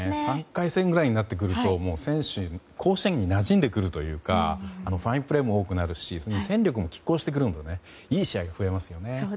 ３回戦ぐらいになってくると選手が甲子園になじんでくるというかファインプレーも多くなるし戦力も拮抗してくるのでいい試合が増えますね。